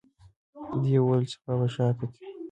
دوی وویل چې سبا به ښار ته ځي.